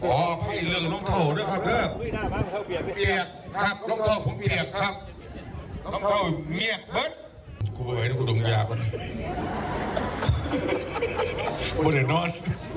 โอ้เดี๋ยวนอน